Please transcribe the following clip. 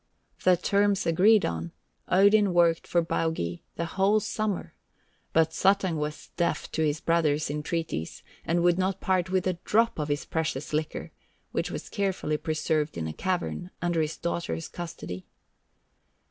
The terms agreed on, Odin worked for Baugi the whole summer, but Suttung was deaf to his brother's entreaties, and would not part with a drop of the precious liquor, which was carefully preserved in a cavern under his daughter's custody.